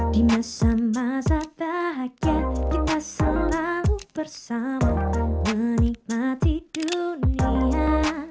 di masa masa bahagia kita selalu bersama menikmati dunia